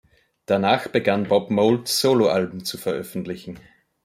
Danach begann Bob Mould, Soloalben zu veröffentlichen.